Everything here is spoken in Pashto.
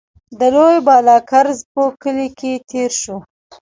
د لوی بالاکرز په کلي کې تېر شوو.